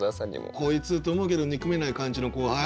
「こいつ」って思うけど憎めない感じの後輩？